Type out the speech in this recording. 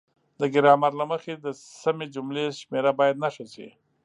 د ګرامر له مخې د سمې جملې شمیره باید نښه شي.